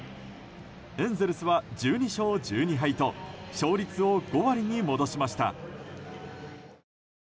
エンゼルスは１２勝１２敗と勝率を５割に戻しました。